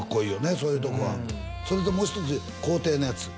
そういうとこはそれともう一つ校庭のやつ